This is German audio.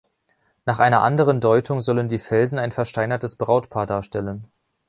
Nach einer anderen Deutung sollen die Felsen ein versteinertes Brautpaar darstellen.